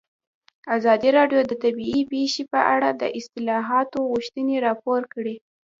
ازادي راډیو د طبیعي پېښې په اړه د اصلاحاتو غوښتنې راپور کړې.